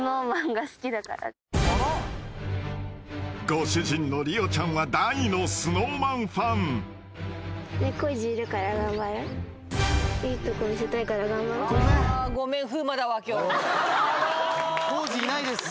［ご主人の李緒ちゃんは大のＳｎｏｗＭａｎファン］ごめん。